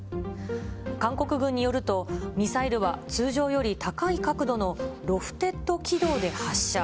韓国軍によると、ミサイルは通常より高い角度のロフテッド軌道で発射。